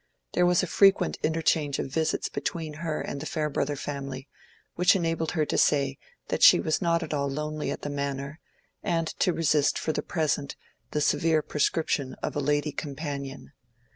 There was a frequent interchange of visits between her and the Farebrother family, which enabled her to say that she was not at all lonely at the Manor, and to resist for the present the severe prescription of a lady companion.